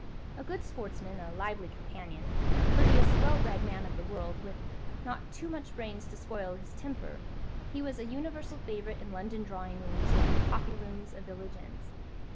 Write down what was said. A good sportsman, a lively companion, a courteous, well bred man of the world, with not too much brains to spoil his temper, he was a universal favourite in London drawing rooms or in the coffee rooms of village inns.